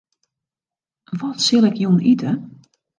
Wat sil ik jûn ite?